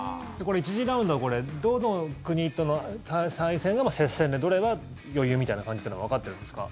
１次ラウンドはどの国との対戦が接戦でどれが余裕みたいな感じとかはわかってるんですか？